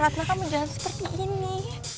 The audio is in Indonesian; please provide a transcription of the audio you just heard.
ratna kamu menjalani seperti ini